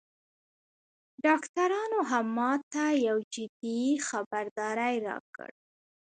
ډاکترانو هم ماته یو جدي خبرداری راکړ